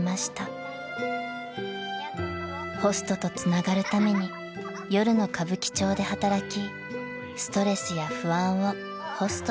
［ホストとつながるために夜の歌舞伎町で働きストレスや不安をホストで癒やす］